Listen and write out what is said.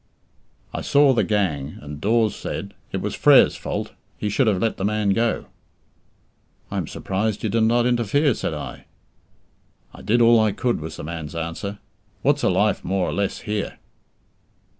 I saw the gang, and Dawes said "It was Frere's fault; he should have let the man go!" "I am surprised you did not interfere," said I. "I did all I could," was the man's answer. "What's a life more or less, here?"